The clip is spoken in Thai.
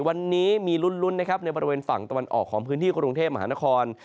วันนี้มีลุ้นนะครับในบริเวณฝั่งตะวันออกของพื้นที่กรุงเทพมหานคร